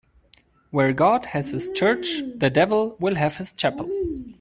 Where God has his church, the devil will have his chapel.